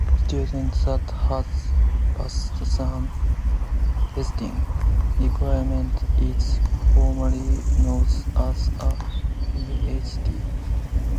A student that has passed these testing requirements is formally known as a Ph.D.